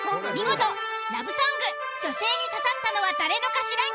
見事ラブソング女性に刺さったのは誰の歌詞？